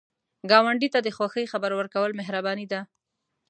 ګاونډي ته د خوښۍ خبر ورکول مهرباني ده